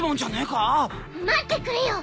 待ってくれよ。